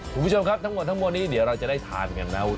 คุณผู้ชมครับทั้งทั้งนี้เดี๋ยวเราจะได้ทานกันแล้ว